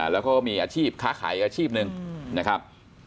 แล้วก็มีอาชีพค้าขายอีกอาชีพหนึ่งนะครับ